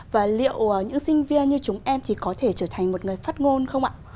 và liệu những sinh viên như chúng em thì có thể trở thành một người phát ngôn không ạ